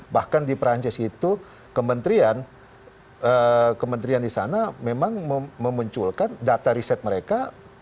bahkan di perancis itu kementerian di sana memang memunculkan data riset mereka